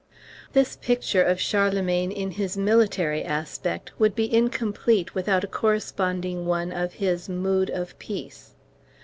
This picture of Charlemagne in his military aspect would be incomplete without a corresponding one of his "mood of peace."